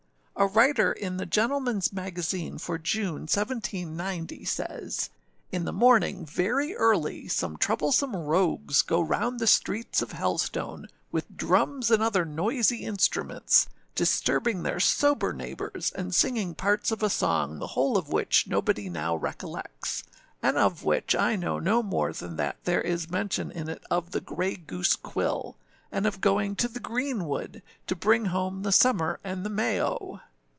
A writer in the _Gentlemanâs __Magazine_ for June, 1790, says, âIn the morning, very early, some troublesome rogues go round the streets [of Helstone], with drums and other noisy instruments, disturbing their sober neighbours, and singing parts of a song, the whole of which nobody now re collects, and of which I know no more than that there is mention in it of the âgrey goose quill,â and of going âto the green woodâ to bring home âthe Summer and the May, O!